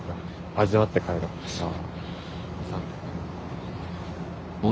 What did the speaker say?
味わって帰ろう。